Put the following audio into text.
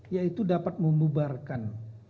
yaitu dapat membubarkan